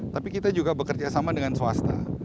tapi kita juga bekerjasama dengan swasta